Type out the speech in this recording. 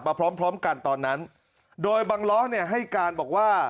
มาพร้อมกันตอนนั้นโดยบางล้อให้การบอกว่า